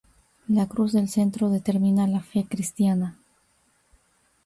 La cruz del centro determina la fe cristiana.